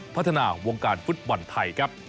พัฒนาวงการฟุตบอลไทยครับ